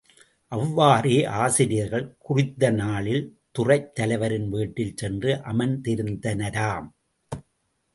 அவ்வாறே ஆசிரியர்கள், குறித்த நாளில் துறைத் தலைவரின் வீட்டில் சென்று அமர்ந்திருந்தனராம்.